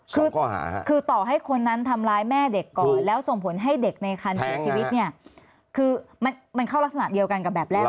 คือต่อให้คนนั้นทำร้ายแม่เด็กก่อนแล้วส่งผลให้เด็กในคันเสียชีวิตเนี่ยคือมันเข้ารักษณะเดียวกันกับแบบแรก